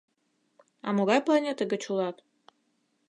А могай планете гыч улат?